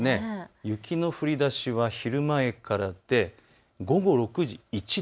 雪の降りだしは昼前からで午後６時、１度。